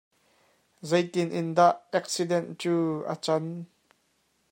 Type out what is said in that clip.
Zei tiin dah eksidenh cu a cang?